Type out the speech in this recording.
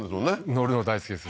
乗るの大好きです